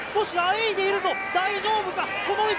少しあえいでいるぞ、大丈夫か？